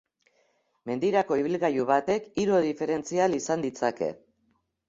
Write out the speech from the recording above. Mendirako ibilgailu batek hiru diferentzial izan ditzake.